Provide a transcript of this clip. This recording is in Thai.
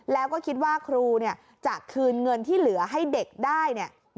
แล้วก็คิดว่าครูจะคืนเงินที่เหลือให้เด็กได้